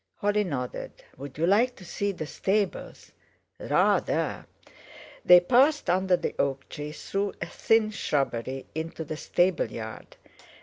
Holly nodded. "Would you like to see the stables?" "Rather!" They passed under the oak tree, through a thin shrubbery, into the stable yard.